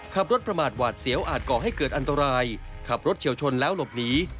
ขับรถประมาทหวาดเสียวอาจก่อให้เกิดอันตรายขับรถเฉียวชนแล้วหลบหนี